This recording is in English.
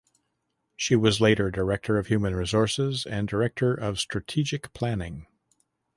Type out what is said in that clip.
She was later director of human resources and director of strategic planning.